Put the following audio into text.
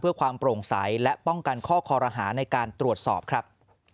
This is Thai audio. เพื่อความโปร่งใสและป้องกันข้อคอรหาในการตรวจสอบครับ